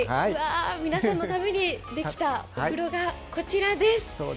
皆さんのためにできたお風呂がこちらです。